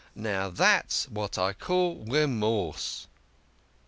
Now, that's what I call Remorse."